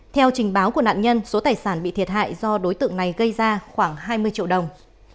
theo trình báo của nạn nhân số tài sản bị thiệt hại do đối tượng này gây ra khoảng hai mươi triệu đồng